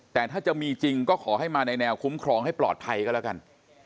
แต่ถ้าจะมีจริงก็ขอให้มาในแนวคุ้มครองให้ปลอดภัยก็แล้วกัน